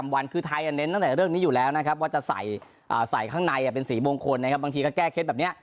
ว่าจะใส่ข้างในเป็นสีโมงคลบางทีก็แก้เคล็ดแบบนี้